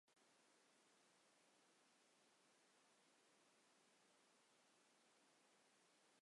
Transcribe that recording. সে অত্যন্ত বুদ্ধিমান একজন নাবিক, একাধিক ভাষা জানে।